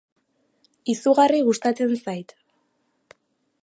Izugarri gustatzen zait.